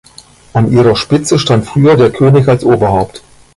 An ihrer Spitze stand früher der König als Oberhaupt.